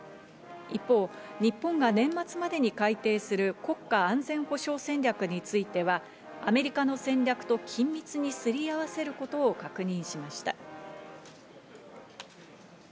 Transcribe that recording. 一方、日本が年末までに改定する国家安全保障戦略については、アメリカの戦略と緊密にすり合わせることを確認しました。